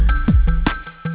gak ada yang nungguin